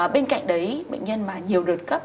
bên cạnh đấy bệnh nhân mà nhiều đợt cấp